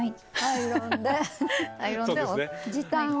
アイロンで時短を。